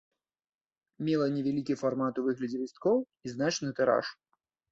Мела невялікі фармат у выглядзе лісткоў і значны тыраж.